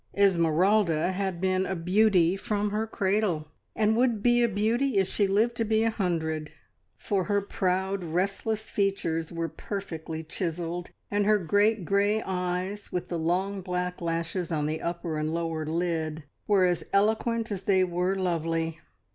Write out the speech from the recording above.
"Esmeralda" had been a beauty from her cradle, and would be a beauty if she lived to be a hundred, for her proud, restless features were perfectly chiselled, and her great grey eyes, with the long black lashes on the upper and lower lid, were as eloquent as they were lovely.